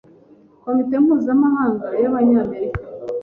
Komite mpuzamahanga y’abanyamerika